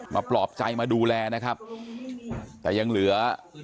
ปลอบใจมาดูแลนะครับแต่ยังเหลือ